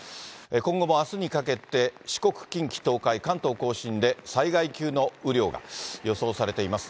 今後もあすにかけて、四国、近畿、東海、関東甲信で災害級の雨量が予想されています。